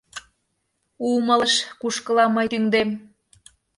Умылыш, кушкыла мый тӱҥдем.